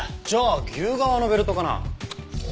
じゃあ牛革のベルトかな？